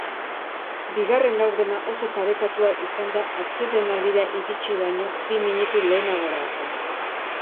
Bigarren laurdena oso parekatua izan da atsedenaldira iritsi baino bi minutu lehenagora arte.